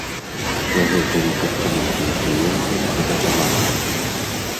Пры гэтым, персанал быў прыемным і дапамагаў.